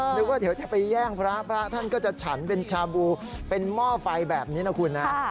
เดี๋ยวจะไปแย่งพระพระท่านก็จะฉันเป็นชาบูเป็นหม้อไฟแบบนี้นะคุณนะ